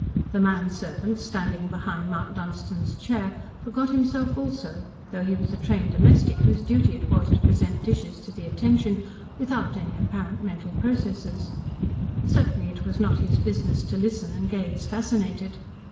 The manservant, standing behind Mount Dunstan's chair, forgot himself also, thought he was a trained domestic whose duty it was to present dishes to the attention without any apparent mental processes. Certainly it was not his business to listen, and gaze fascinated.